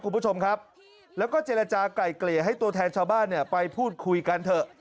คุณผู้ชมครับแล้วก็เจรจากลายเกลี่ยให้ตัวแทนชาวบ้านเนี่ยไปพูดคุยกันเถอะ